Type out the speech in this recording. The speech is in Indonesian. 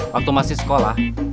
waktu masih sekolah